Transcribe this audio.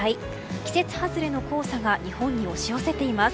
季節外れの黄砂が日本に押し寄せています。